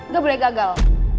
gak boleh gagal